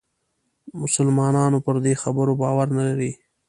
مسلمانان پر دې خبرو باور نه لري.